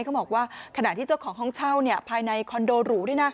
เขาบอกว่าขณะที่เจ้าของห้องเช่าภายในคอนโดหรูด้วยนะ